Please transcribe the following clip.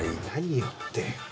何をって。